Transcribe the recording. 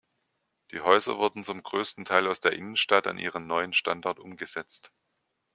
Die Häuser wurden zum größten Teil aus der Innenstadt an ihren neuen Standort umgesetzt.